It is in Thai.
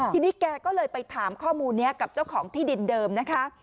ทีนี้แกก็เลยไปถามข้อมูลนี้กับเจ้าของที่ดินเดิมนะคะ